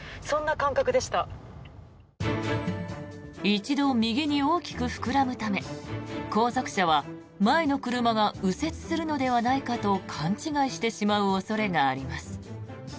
一度、右に大きく膨らむため後続車は前の車が右折するのではないかと勘違いしてしまう恐れがあります。